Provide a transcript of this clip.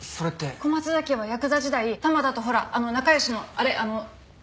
小松崎はヤクザ時代玉田とほらあの仲良しのあれあのおちょこ？